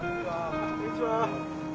こんにちは。